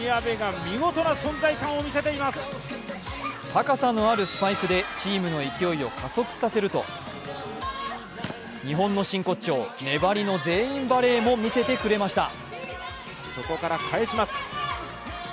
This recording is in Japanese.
高さのあるスパイクでチームの勢いを加速させると日本の真骨頂、粘りの全員バレーも見せてくれました。